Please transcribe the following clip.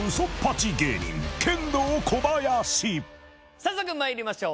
早速まいりましょう。